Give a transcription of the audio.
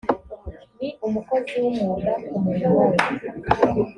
ni umukozi wumwuga ku murimo we